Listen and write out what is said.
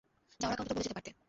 যাওয়ার আগে অন্তত বলে যেতে পারতে।